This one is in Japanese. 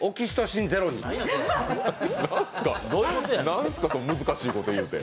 何すか、その難しいこと言って。